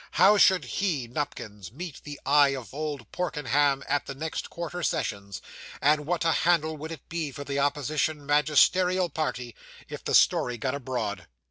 How should he, Nupkins, meet the eye of old Porkenham at the next quarter sessions! And what a handle would it be for the opposition magisterial party if the story got abroad!